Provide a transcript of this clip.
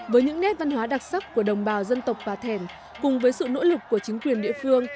với những nét văn hóa đặc sắc của đồng bào dân tộc bà thẻn cùng với sự nỗ lực của chính quyền địa phương